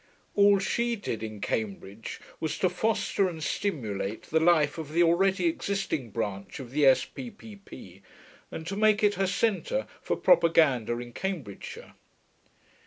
All she did in Cambridge was to foster and stimulate the life of the already existing branch of the S.P.P.P., and to make it her centre for propaganda in Cambridgeshire.